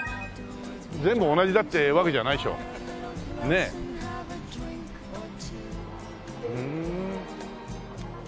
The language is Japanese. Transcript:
全部同じだってわけじゃないでしょ。ねえ。ふーん。